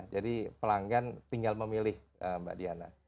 jadi pelanggan tinggal memilih mbak diana